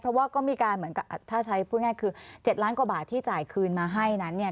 เพราะว่าก็มีการเหมือนกับถ้าใช้พูดง่ายคือ๗ล้านกว่าบาทที่จ่ายคืนมาให้นั้นเนี่ย